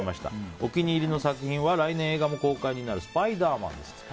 お気に入りの作品は来年映画も公開になる「スパイダーマン」です。